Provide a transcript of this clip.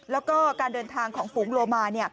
แล้วก็การเดินทางของฝูงโลมา